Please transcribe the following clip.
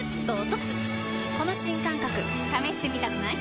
この新感覚試してみたくない？